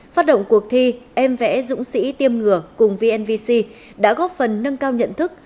phát động cuộc thi em vẽ dũng sĩ tiêm ngừa cùng vnvc đã góp phần nâng cao nhận thức